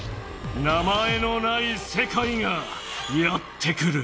名前のないせかいがやって来る。